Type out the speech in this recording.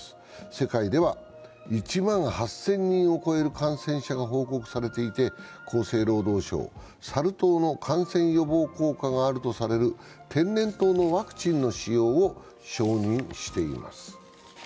世界では１万８０００人を超える感染者が報告されていて、厚生労働省はサル痘の感染予防効果があるとされる天然痘のワクチンの使用を承認しています。